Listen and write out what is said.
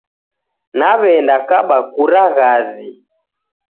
Nawe'nda kaba kura ghazi